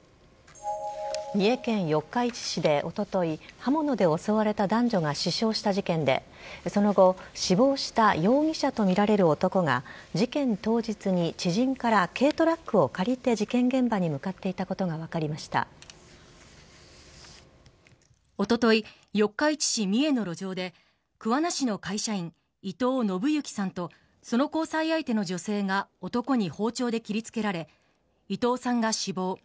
三重県四日市市でおととい刃物で襲われた男女が死傷した事件でその後死亡した容疑者とみられる男が事件当日に知人から軽トラックを借りて事件現場に向かっていたことがおととい四日市市三重の路上で桑名市の会社員・伊藤信幸さんとその交際相手の女性が男に包丁で切りつけられ伊藤さんが死亡。